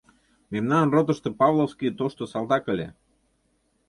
Мемнан ротышто Павловский тошто салтак ыле.